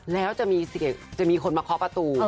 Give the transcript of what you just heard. แล้วจะมีเสียงจะมีคนมาเคาะประตู